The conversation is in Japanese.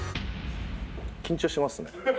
緊張してますね。